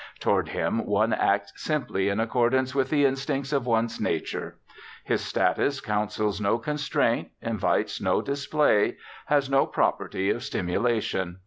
Toward him one acts simply in accordance with the instincts of one's nature. His status counsels no constraint, invites no display, has no property of stimulation.